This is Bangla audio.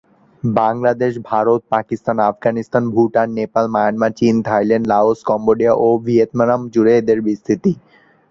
বাংলাদেশ, ভারত, পাকিস্তান, আফগানিস্তান, ভুটান, নেপাল, মায়ানমার, চীন, থাইল্যান্ড, লাওস, কম্বোডিয়া ও ভিয়েতনাম জুড়ে এদের বিস্তৃতি।